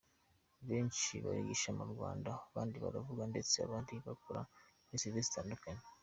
Benshi barigisha Mu Rwanda, abandi baravura ndetse abandi bakora muri services zitandukanye.